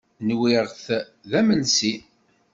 Nwiɣ-t d amelsi.